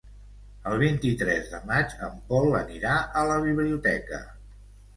El vint-i-tres de maig en Pol anirà a la biblioteca.